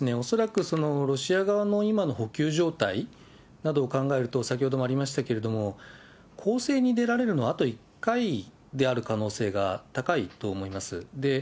恐らく、ロシア側の今の補給状態などを考えると、先ほどもありましたけれども、攻勢に出られるのはあと１回である可能性が高いと思います。